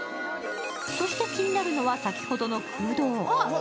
そして気になるのは先ほどの空洞。